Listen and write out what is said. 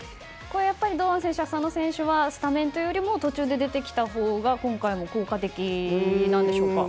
やっぱり堂安選手、浅野選手はスタメンというよりも途中で出てきたほうが今回も効果的なんでしょうか。